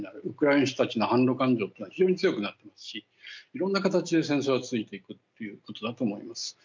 ウクライナの人たちの反ロ感情というのは非常に強くなっていますしいろんな形で戦争が続いていくということだと思います。